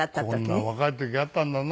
こんな若い時あったんだな。